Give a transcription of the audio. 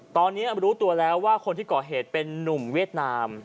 ตอนนี้รู้ตัวแล้วว่าคนที่ก่อเหตุเป็นนุ่มเวียดนาม